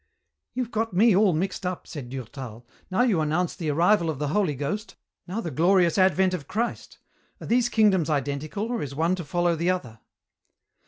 "You've got me all mixed up," said Durtal. "Now you announce the arrival of the Holy Ghost, now the glorious advent of Christ. Are these kingdoms identical or is one to follow the other?"